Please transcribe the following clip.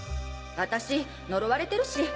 私呪われてるし。